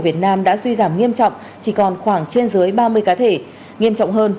việt nam đã suy giảm nghiêm trọng chỉ còn khoảng trên dưới ba mươi cá thể nghiêm trọng hơn